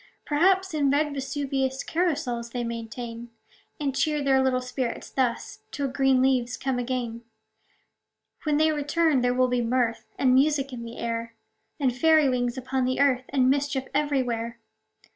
Perhaps, in red Vesuvius Carousals they maintain ; And cheer their little spirits thus, Till green leaves come again. When they return, there will be mirth And music in the air, And fairy wings upon the earth, And mischief everywhere.